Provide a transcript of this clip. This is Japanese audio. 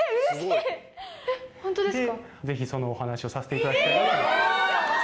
ぜひそのお話をさせていただきたい。